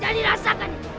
jadilah saka nih